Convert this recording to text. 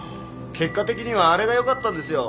結果的にはあれがよかったんですよ。